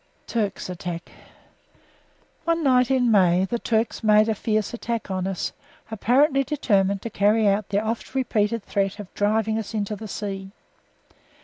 TURKS ATTACK One night in May the Turks made a fierce attack on us, apparently determined to carry out their oft repeated threat of driving us into the sea.